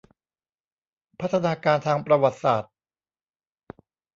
พัฒนาการทางประวัติศาสตร์